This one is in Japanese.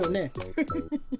フフフフ。